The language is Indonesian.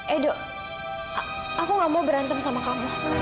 edo aku gak mau berantem sama kamu